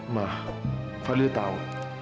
ma fadil tahu